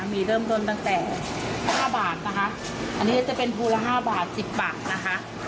มีเริ่มต้นตั้งแต่๕บาทนะคะอันนี้จะเป็นภูละ๕บาท๑๐บาทนะคะ